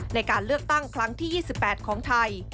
ในการเลือกตั้งครั้งที่๒๘ของไทย